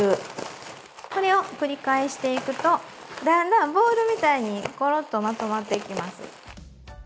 これを繰り返していくとだんだんボールみたいにコロッとまとまっていきます。